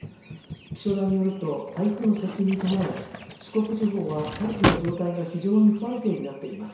気象台によると台風の接近に伴い四国地方は大気の状態が非常に不安定になっています。